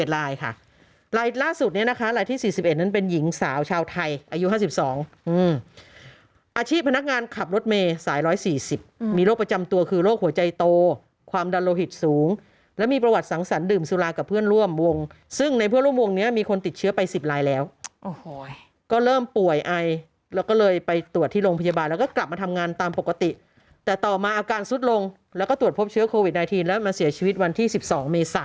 ๑๑รายค่ะรายล่าสุดนี้นะคะรายที่๔๑นั้นเป็นหญิงสาวชาวไทยอายุ๕๒อืมอาชีพพนักงานขับรถเมษาย๑๔๐มีโรคประจำตัวคือโรคหัวใจโตความดันโลหิตสูงและมีประวัติสังสรรค์ดื่มสุรากับเพื่อนร่วมวงซึ่งในเพื่อนร่วมวงนี้มีคนติดเชื้อไป๑๐รายแล้วโอ้โหยก็เริ่มป่วยไอแล้วก็เลยไปตรวจที่โร